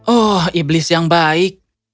oh iblis yang baik